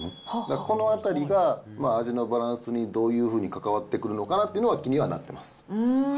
このあたりが、味のバランスにどういうふうに関わってくるのかなっていうのは気にはなってます。